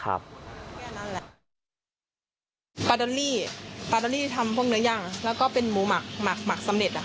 ปลาดอลลี่ปลาดอลลี่ที่ทำพวกเนื้อย่างแล้วก็เป็นหมูหมักหมักหมักสำเร็จอ่ะ